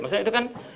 maksudnya itu kan